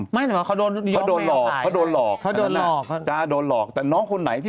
ไม่ใช่